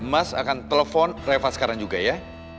mas akan telepon reva sekarang juga ya